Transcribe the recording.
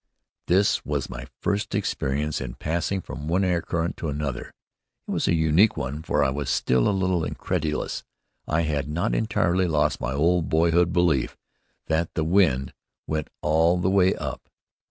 This was my first experience in passing from one air current to another. It was a unique one, for I was still a little incredulous. I had not entirely lost my old boyhood belief that the wind went all the way up.